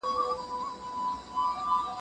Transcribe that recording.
ایا ته پوهېږې چې زموږ تاریخ څومره لرغونی دی؟